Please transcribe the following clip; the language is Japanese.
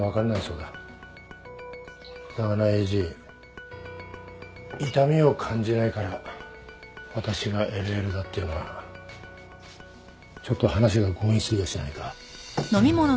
だがなエイジ痛みを感じないから私がＬＬだっていうのはちょっと話が強引すぎやしないか。